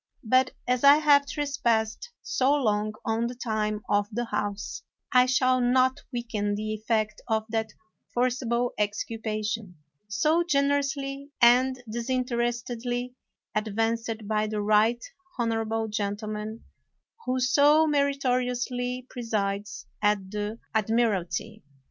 But as I have trespassed so long on the time of the House I shall not weaken the effect of that forcible exculpation so gener ously and disinterestedly advanced by the right honorable gentleman who so meritoriously pre sides at the admiralty.